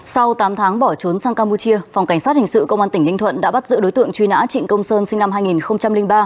sau tám tháng bỏ trốn sang campuchia phòng cảnh sát hình sự công an tỉnh ninh thuận đã bắt giữ đối tượng truy nã trịnh công sơn sinh năm hai nghìn ba